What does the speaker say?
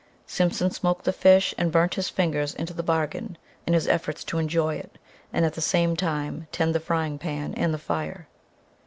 Simpson smoked the fish and burnt his fingers into the bargain in his efforts to enjoy it and at the same time tend the frying pan and the fire.